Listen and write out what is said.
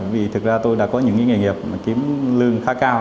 vì thực ra tôi đã có những nghề nghiệp kiếm lương khá cao